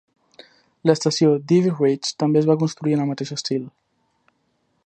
L'estació d'Ivy Ridge també es va construir en el mateix estil.